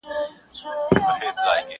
د ژوند معنا ګډوډه کيږي تل